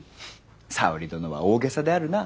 沙織殿は大げさであるな。